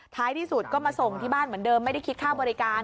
ท้ายที่สุดก็มาส่งที่บ้านเหมือนเดิมไม่ได้คิดค่าบริการ